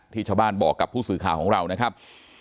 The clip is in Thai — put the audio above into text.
ชาวบ้านบอกกับผู้สื่อข่าวของเรานะครับ